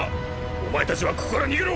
お前たちはここから逃げろ！！